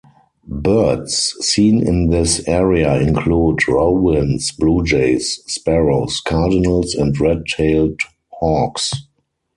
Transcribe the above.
Birds seen in this area include robins, blue jays, sparrows, cardinals and red-tailed hawks.